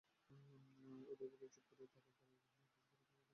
উদয়াদিত্য চুপ করিয়া দাঁড়াইয়া রহিলেন, কিছুতেই কথা কহিতে পারিলেন না।